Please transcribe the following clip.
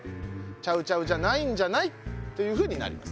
「チャウチャウじゃないんじゃない？」というふうになりますね。